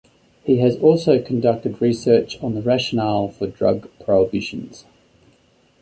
He has also conducted research on the rationale for drug prohibitions.